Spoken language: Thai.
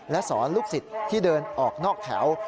และสอนลูกศิษย์ที่เดินออกนอกแถว